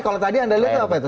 kalau tadi anda lihatnya apa itu